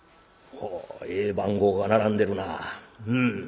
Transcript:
「おおいい番号が並んでるなあ。